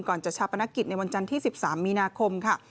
ก่อนจะชาปนกิจในวันจันทร์ที่๑๓มีนาคมค่ะ